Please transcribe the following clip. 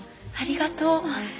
ありがとう。